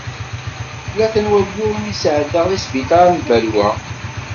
Tlata n wagguren i sεeddaɣ di sbiṭar n Balwa.